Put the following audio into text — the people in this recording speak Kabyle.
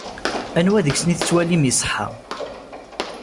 Anwa deg-sen ay tettwalim iṣeḥḥa?